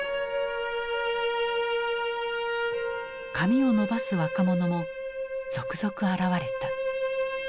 髪を伸ばす若者も続々現れた。